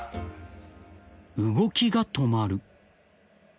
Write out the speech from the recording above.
［動きが止まる］